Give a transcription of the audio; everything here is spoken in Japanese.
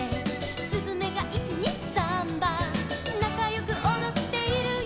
「すずめが１・２・サンバ」「なかよくおどっているよ」